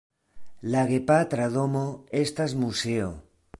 La gepatra domo estas muzeo.